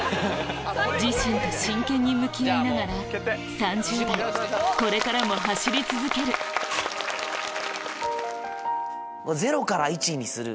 自身と真剣に向き合いながら３０代これからも走り続ける０から１にする。